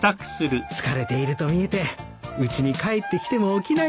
疲れていると見えてうちに帰ってきても起きないな